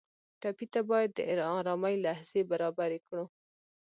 ټپي ته باید د ارامۍ لحظې برابرې کړو.